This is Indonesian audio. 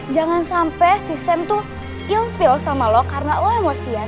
jangan sampe si sam tuh ill feel sama lu karena lu emosian